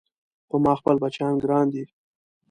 په ما خپل بچيان ګران دي